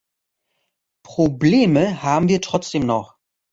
Probleme haben wir trotzdem noch.